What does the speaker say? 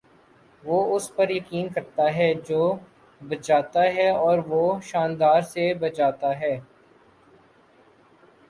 وہ اس پر یقین کرتا ہے جو بجاتا ہے اور وہ شانداری سے بجاتا ہے